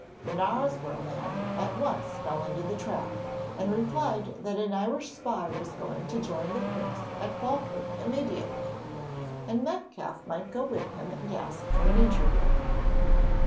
The Knaresborough man at once fell into the trap and replied that an Irish spy was going to join the Prince at Falkirk immediately, and Metcalfe might go with him and ask for an interview.